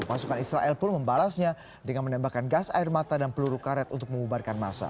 pasukan israel pun membalasnya dengan menembakkan gas air mata dan peluru karet untuk mengubarkan masa